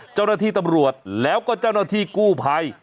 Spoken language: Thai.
เจ้าหน้าที่ตำรวจแล้วก็เจ้าหน้าที่กู้ภัย